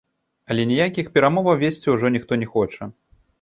Але ніякіх перамоваў весці ўжо ніхто не хоча.